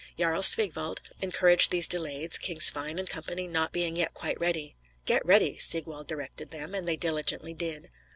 Jarl Sigwald encouraged these delays, King Svein & Co. not being yet quite ready. "Get ready!" Sigwald directed them, and they diligently did.